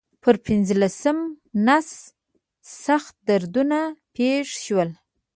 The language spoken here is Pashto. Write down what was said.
پر پنځلسمه نس سخت دردونه پېښ شول.